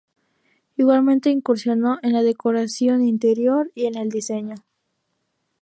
Igualmente incursionó en la decoración interior y en el diseño.